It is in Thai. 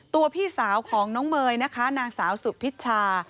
พี่สาวของน้องเมย์นะคะนางสาวสุพิชชา